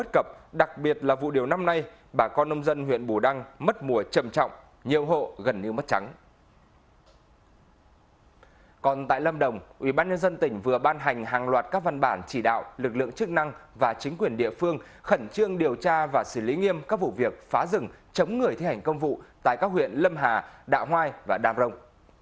còn tại lâm đồng ubnd tỉnh vừa ban hành hàng loạt các văn bản chỉ đạo lực lượng chức năng và chính quyền địa phương khẩn trương điều tra và xử lý nghiêm các vụ việc phá rừng chống người thi hành công vụ tại các huyện lâm hà đạo hoai và đàm rồng